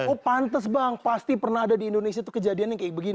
oh pantes bang pasti pernah ada di indonesia tuh kejadiannya kayak begini